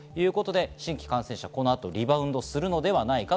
新規感染者はリバウンドするのではないかと。